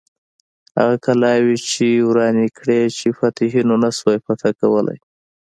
هغه کلاوې یې ورانې کړې چې فاتحینو نه سوای فتح کولای.